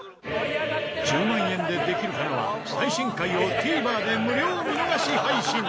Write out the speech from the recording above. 『１０万円でできるかな』は最新回をＴＶｅｒで無料見逃し配信。